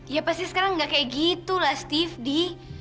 ya pasti sekarang nggak kayak gitu lah steve di